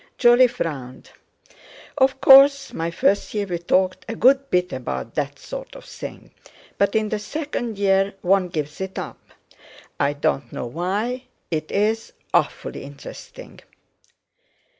Jolly frowned. "Of course, my first year we talked a good bit about that sort of thing. But in the second year one gives it up; I don't know why—it's awfully interesting."